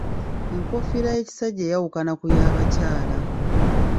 Enkoofiira y'ekisajja eyawukana ku y'abakyala.